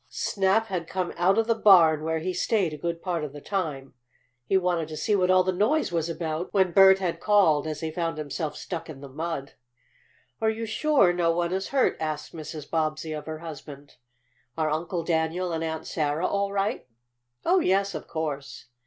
Snap had come out of the barn, where he stayed a good part of the time. He wanted to see what all the noise was about when Bert had called as he found himself stuck in the mud. "Are you sure no one is hurt?" asked Mrs. Bobbsey of her husband. "Are Uncle Daniel and Aunt Sarah all right?" "Oh, yes, of course."